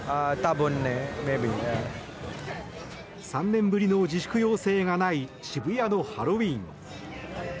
３年ぶりの自粛要請がない渋谷のハロウィーン。